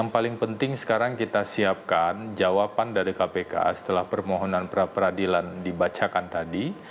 yang paling penting sekarang kita siapkan jawaban dari kpk setelah permohonan pra peradilan dibacakan tadi